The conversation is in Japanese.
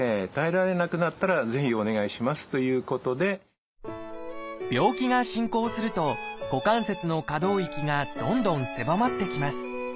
もう少し自分で病気が進行すると股関節の可動域がどんどん狭まってきます。